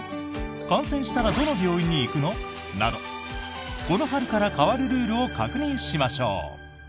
感染したらどの病院に行くの？などこの春から変わるルールを確認しましょう。